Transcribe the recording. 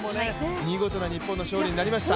見事な日本の勝利になりました。